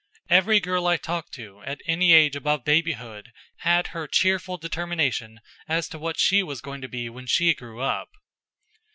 Every girl I talked to, at any age above babyhood, had her cheerful determination as to what she was going to be when she grew up.